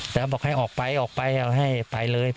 เขาบอกให้ออกไปไปเลย